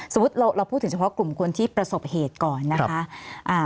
สมมุติเราพูดถึงเฉพาะกลุ่มคนที่ประสบเหตุก่อนนะคะ